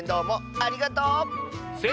ありがとう！